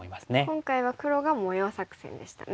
今回は黒が模様作戦でしたね。